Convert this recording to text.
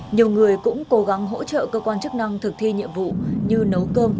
nhiều người cũng cố gắng hỗ trợ cơ quan chức năng thực thi nhiệm vụ như nấu cơm